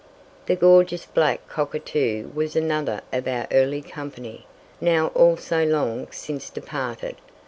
The gorgeous black cockatoo was another of our early company, now also long since departed.